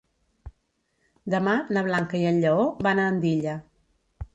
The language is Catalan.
Demà na Blanca i en Lleó van a Andilla.